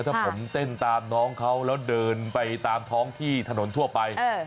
ถ้าผมเต้นตามน้องเขาแล้วเดินไปตามท้องที่ถนนทั่วไป